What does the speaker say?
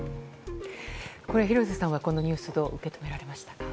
廣瀬さんは、このニュースどう受け止められましたか？